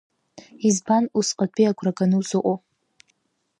Избан усҟатәи агәраганы узыҟоу?